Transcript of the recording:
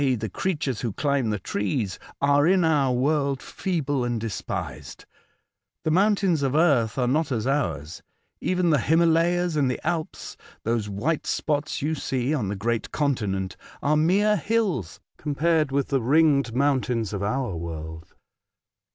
e. the creatures who climb the trees) are in our world feeble and despised. The moun tains of earth are not as ours. Even the Himalayas and the Alps — those white spots 88 A Voyage to Other Worlds, you see on the great continent — are mere hills compared with the ring mountains of our world.